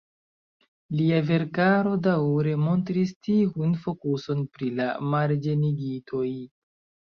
Lia verkaro daŭre montris tiun fokuson pri la marĝenigitoj.